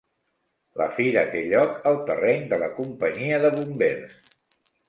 La fira te lloc al terreny de la Companyia de Bombers.